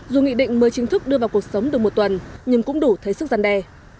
dù nghị định mới chính thức đưa vào cuộc sống được một tuần nhưng cũng đủ thấy sức gian đe